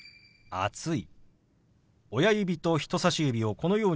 「暑い」。